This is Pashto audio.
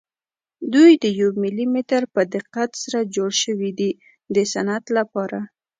دوی د یو ملي متر په دقت سره جوړ شوي دي د صنعت لپاره.